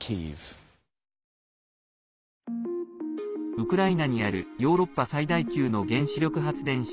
ウクライナにあるヨーロッパ最大級の原子力発電所